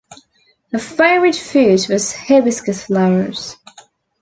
Her favourite food was hibiscus flowers.